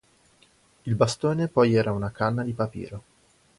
Il bastone poi era una canna di papiro.